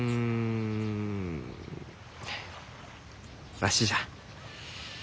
わしじゃ。